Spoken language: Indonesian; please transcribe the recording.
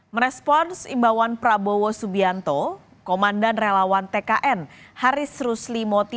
merespons imbawan prabowo subianto komandan relawan tkn haris rusli moti